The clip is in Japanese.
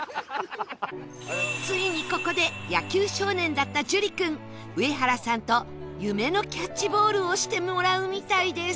ついにここで野球少年だった樹君上原さんと夢のキャッチボールをしてもらうみたいです